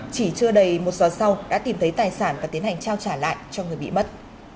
chỉ chưa đầy một giờ sau đã tìm thấy tài sản và tiến hành trao trả lại cho người bị mất